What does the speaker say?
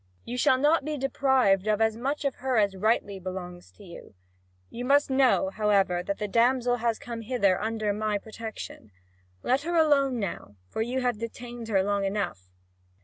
You shall not be deprived of as much of her as rightly belongs to you. You must know, however, that the damsel has come hither under my protection. Let her alone now, for you have detained her long enough!"